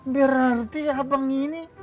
berarti abang ini